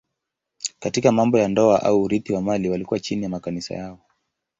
Katika mambo ya ndoa au urithi wa mali walikuwa chini ya makanisa yao.